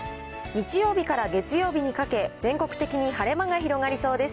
日曜日から月曜日にかけ、全国的に晴れ間が広がりそうです。